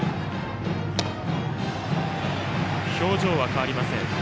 表情は変わりません。